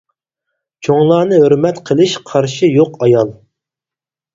چوڭلارنى ھۆرمەت قىلىش قارشى يوق ئايال.